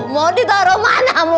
mau ditaro manamu